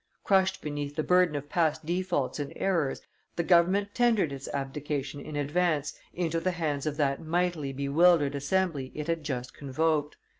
Crushed beneath the burden of past defaults and errors, the government tendered its abdication, in advance, into the hands of that mightily bewildered Assembly it had just convoked.